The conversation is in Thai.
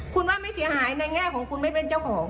คุณว่าไม่เสียหายในแง่ของคุณไม่เป็นเจ้าของ